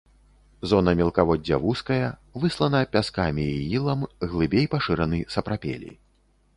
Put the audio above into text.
Зона мелкаводдзя вузкая, выслана пяскамі і ілам, глыбей пашыраны сапрапелі.